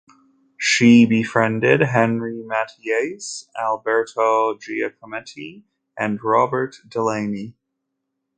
She befriended Henri Matisse, Alberto Giacometti, and Robert Delaunay.